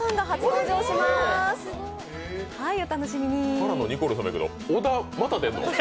ＫＡＲＡのニコルさんだけど、小田、また出るの？